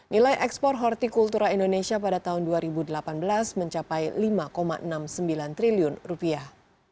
nilai ekspor hortikultura indonesia pada tahun dua ribu delapan belas mencapai lima enam puluh sembilan triliun rupiah